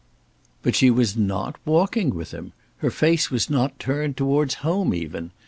"But she was not walking with him. Her face was not turned towards home even.